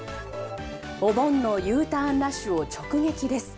お盆のＵターンラッシュを直撃です。